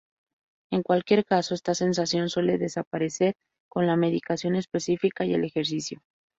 En cualquier caso, esta sensación suele desaparecer con la medicación específica y el ejercicio.